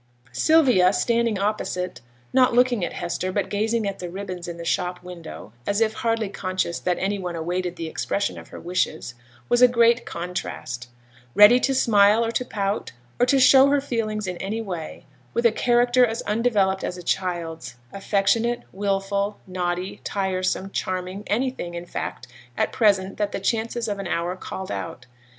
Sylvia, standing opposite, not looking at Hester, but gazing at the ribbons in the shop window, as if hardly conscious that any one awaited the expression of her wishes, was a great contrast; ready to smile or to pout, or to show her feelings in any way, with a character as undeveloped as a child's, affectionate, wilful, naughty, tiresome, charming, anything, in fact, at present that the chances of an hour called out.